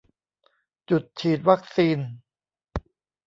จุดฉีดวัคซีน